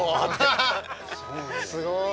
すごい。